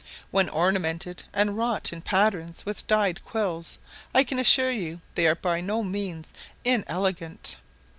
When ornamented and wrought in patterns with dyed quills, I can assure you, they are by no means inelegant.